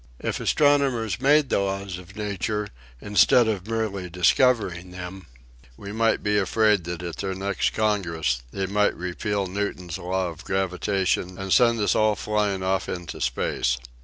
If astronomers made the laws of Nature instead of merely discovering them we might be afraid that at their next congress they might repeal Newton's law of gravitation and send us all flying off into space.